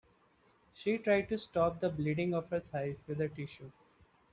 She tried to stop the bleeding of her thighs with a tissue.